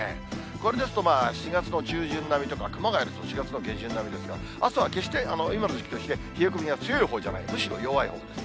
これですと４月の中旬並みとか、熊谷でも４月の下旬並みですから、あすは決して、今の時期として、冷え込みが強いほうじゃない、むしろ弱いほうです。